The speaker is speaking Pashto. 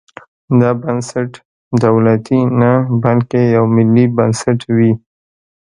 دا بنسټ دولتي نه بلکې یو ملي بنسټ وي.